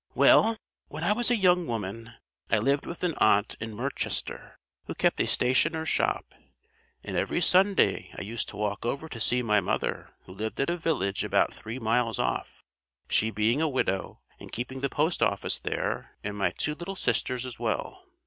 "Well, when I was a young woman I lived with an aunt in Merchester who kept a stationer's shop; and every Sunday I used to walk over to see my mother who lived at a village about three miles off, she being a widow and keeping the post office there and my two little sisters as well.